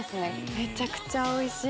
めちゃくちゃおいしい！